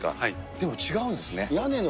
でも違うんですね。